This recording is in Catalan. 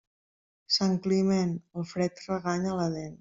Sant Climent, el fred reganya la dent.